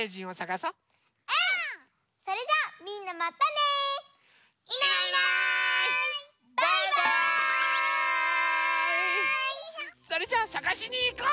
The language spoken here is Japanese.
それじゃあさがしにいこう！